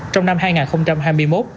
trong năm hai nghìn hai mươi một